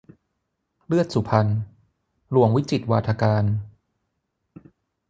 เลือดสุพรรณ - หลวงวิจิตรวาทการ